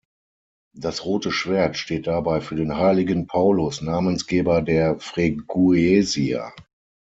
Das rote Schwert steht dabei für den Heiligen Paulus, Namensgeber der Freguesia.